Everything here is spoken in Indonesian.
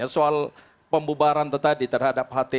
soal pembubaran itu tadi terhadap hadapan itu